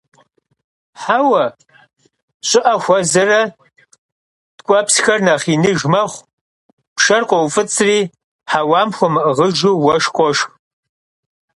Хьэуа щӀыӀэ хуэзэрэ – ткӀуэпсхэр нэхъ иныж мэхъу, пшэр къоуфӀыцӀри, хьэуам хуэмыӀыгъыжу уэшх къошх.